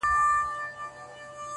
ترخه د طعن به غوځار کړي هله,